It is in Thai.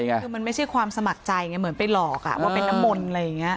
คือมันไม่ใช่ความสมัครใจไงเหมือนไปหลอกว่าเป็นน้ำมนต์อะไรอย่างนี้